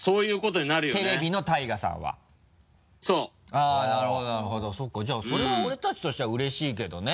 あぁなるほどなるほどそうかじゃあそれは俺たちとしてはうれしいけどね。